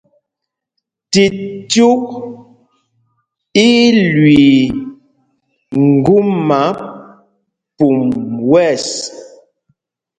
Cicyûk í í lüii ŋgúma pum wɛ̂ɛs.